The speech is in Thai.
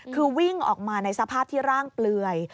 คือวิ่งออกมาในสภาพที่ร่างเปลือย